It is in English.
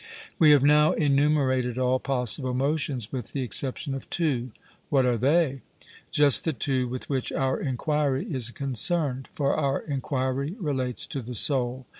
We have now enumerated all possible motions with the exception of two. 'What are they?' Just the two with which our enquiry is concerned; for our enquiry relates to the soul.